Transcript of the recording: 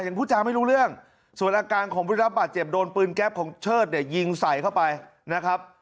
พูดจาไม่รู้เรื่องส่วนอาการของผู้รับบาดเจ็บโดนปืนแก๊ปของเชิดเนี่ยยิงใส่เข้าไปนะครับ